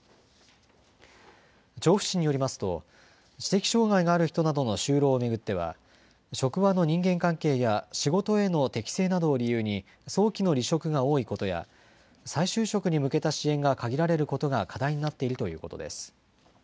調布市によりますと、知的障害がある人などの就労を巡っては、職場の人間関係や仕事への適性などを理由に、早期の離職が多いことや、再就職に向けた支援が限られることが課題になっているということです。